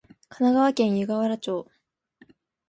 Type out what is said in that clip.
神奈川県湯河原町